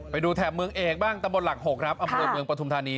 แถบเมืองเอกบ้างตะบนหลัก๖ครับอำเภอเมืองปฐุมธานี